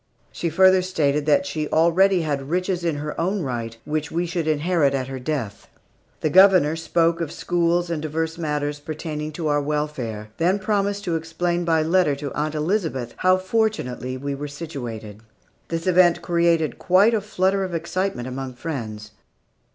She further stated that she already had riches in her own right, which we should inherit at her death. The Governor spoke of schools and divers matters pertaining to our welfare, then promised to explain by letter to Aunt Elizabeth how fortunately we were situated. This event created quite a flutter of excitement among friends.